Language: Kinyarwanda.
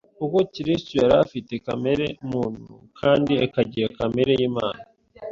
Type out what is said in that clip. kuko Kristo yari afite kamere muntu, kandi akagira kamere y’Imana,